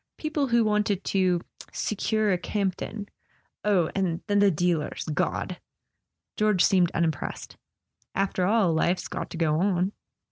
People who wanted to 'secure a Campton.' Oh, and then the dealers—God !" George seemed unimpressed. "After all, life's got to go on."